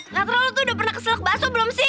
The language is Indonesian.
gak tau lu tuh udah pernah keselak baso belum sih